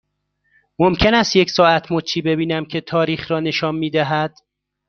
ممکن است یک ساعت مچی ببینم که تاریخ را نشان می دهد؟